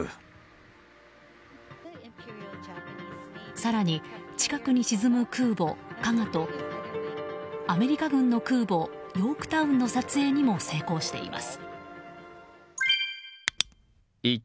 更に、近くに沈む空母「加賀」とアメリカ軍の空母「ヨークタウン」の撮影にも成功しています。